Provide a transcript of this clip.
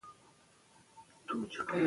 د بانک حساب لرل د مدني ژوند نښه ده.